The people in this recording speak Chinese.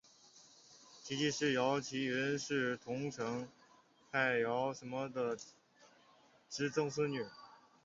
其继室姚倚云是桐城派姚鼐的侄曾孙女。